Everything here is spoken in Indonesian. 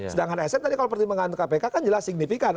sedangkan sn tadi kalau pertimbangan kpk kan jelas signifikan